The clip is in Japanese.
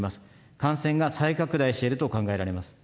感染が再拡大していると考えられます。